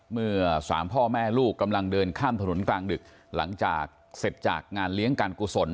เมื่อสามพ่อแม่ลูกกำลังเดินข้ามถนนกลางดึกหลังจากเสร็จจากงานเลี้ยงการกุศล